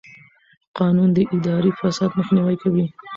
قانون د اداري فساد مخنیوی کوي.